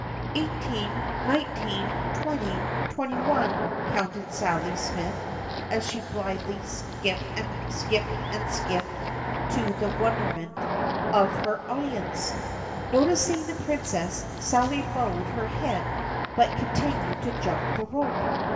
"Eighteen, nineteen, twenty, twenty one, —" counted Sally Smith as she blithely skipped and skipped to the wonderment THE PUSSYCAT PRINCESS 59 of her audience. Noticing the Princess, Sally bowed her head but continued to jump the rope.